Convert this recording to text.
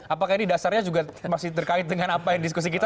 apakah ini dasarnya juga masih terkait dengan apa yang diskusi kita